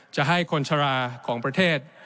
จะให้คนชะลาของประเทศ